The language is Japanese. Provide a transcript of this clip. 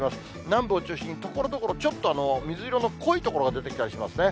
南部を中心に、ところどころ、ちょっと水色の濃い所が出てきたりしますね。